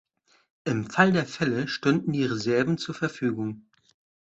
Im Fall der Fälle stünden die Reserven zur Verfügung.